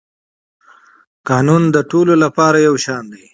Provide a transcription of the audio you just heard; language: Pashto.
قانون د ټولو لپاره یو شان دی.